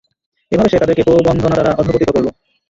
এভাবে সে তাদেরকে প্রবন্ধনা দ্বারা অধঃপতিত করল।